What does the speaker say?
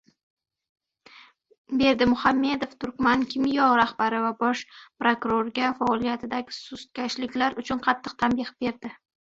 Berdimuhamedov “Turkmankimyo” rahbari va bosh prokurorga faoliyatidagi sustkashliklar uchun qattiq tanbeh berdi